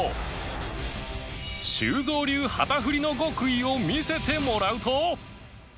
修造流旗振りの極意を見せてもらうと